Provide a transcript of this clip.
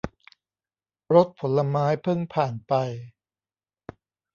รถผลไม้เพิ่งผ่านไป